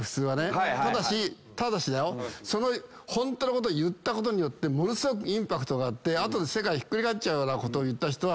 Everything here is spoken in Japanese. ただしホントのこと言ったことによってものすごくインパクトあって世界ひっくり返るようなことを言った人は。